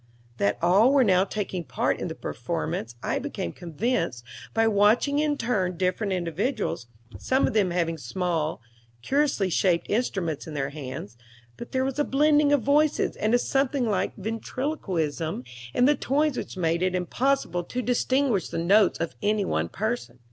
That all were now taking part in the performance I became convinced by watching in turn different individuals, some of them having small, curiously shaped instruments in their hands, but there was a blending of voices and a something like ventriloquism in the tones which made it impossible to distinguish the notes of any one person.